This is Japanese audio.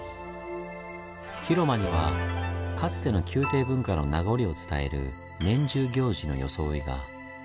広間にはかつての宮廷文化の名残を伝える年中行事の装いが。